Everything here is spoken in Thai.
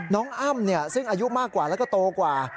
อ้ำซึ่งอายุมากกว่าแล้วก็โตกว่า